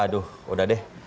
aduh udah deh